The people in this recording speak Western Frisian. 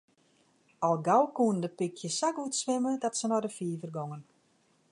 Al gau koenen de pykjes sa goed swimme dat se nei de fiver gongen.